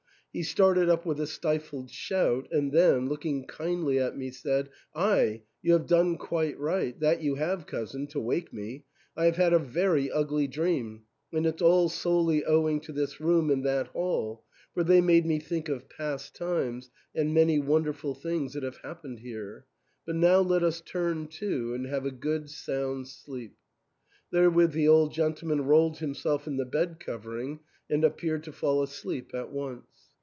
He start ed up with a stifled shout, and then, looking kindly at me, said, "Ay, you have done quite right — that you have, cousin, to wake me. I have had a very ugly dream, and it's all solely owing to this room and that hall, for they made me think of past times and many wonderful things that have happened here. But now let us turn to and have a good sound sleep." There with the old gentleman rolled himself in the bed cover ing and appeared to fall asleep at once.